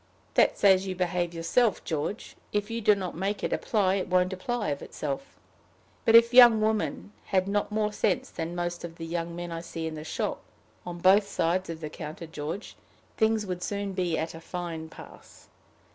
"That's as you behave yourself, George. If you do not make it apply, it won't apply of itself. But if young women had not more sense than most of the young men I see in the shop on both sides of the counter, George things would soon be at a fine pass.